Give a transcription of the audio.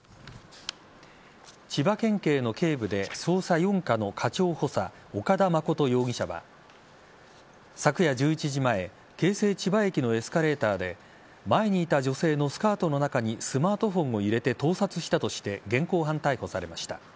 千葉県警の警部で捜査４課の課長補佐岡田誠容疑者は昨夜１１時前京成千葉駅のエスカレーターで前にいた女性のスカートの中にスマートフォンを入れて盗撮したとして現行犯逮捕されました。